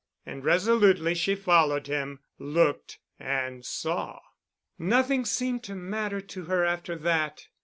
And resolutely she followed him, looked—and saw. Nothing seemed to matter to her after that.